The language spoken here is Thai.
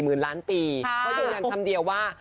ก็อยู่กันคำเดียวว่า